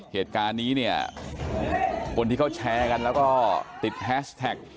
เหตุการณ์นี้เนี่ยคนที่เขาแชร์กันแล้วก็ติดแฮชแท็ก